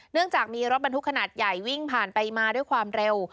เนื่องจากมีรถบรรทุกขนาดใหญ่วิ่งผ่านไปมาด้วยความเร็ว